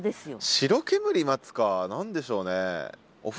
「白煙待つ」か何でしょうね？